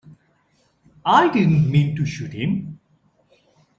I didn't mean to shoot him.